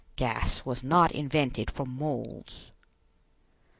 Gas was not invented for moles."